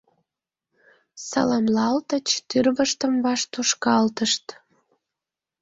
Саламлалтыч, тӱрвыштым ваш тушкалтышт.